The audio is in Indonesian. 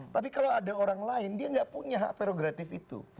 tapi kalau ada orang lain dia nggak punya hak prerogatif itu